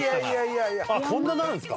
あっこんななるんですか？